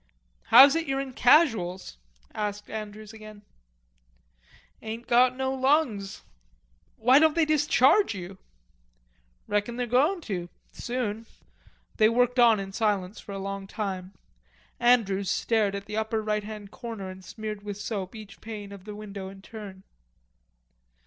"How's it you're in Casuals?" asked Andrews again. "Ain't got no lungs." "Why don't they discharge you?" "Reckon they're going to, soon." They worked on in silence for a long time. Andrews stared at the upper right hand corner and smeared with soap each pane of the window in turn.